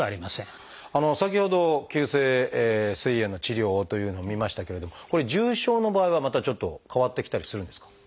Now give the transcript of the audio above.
先ほど急性すい炎の治療というのを見ましたけれどもこれ重症の場合はまたちょっと変わってきたりするんですか？